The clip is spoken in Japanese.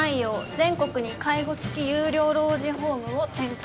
全国に介護つき有料老人ホームを展開